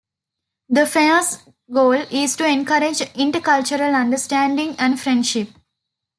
The Fair's goal is to encourage intercultural understanding and friendship.